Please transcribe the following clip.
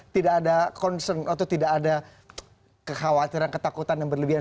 tidak ada concern atau tidak ada kekhawatiran ketakutan yang berlebihan